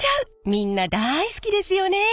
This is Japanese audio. みんな大好きですよね。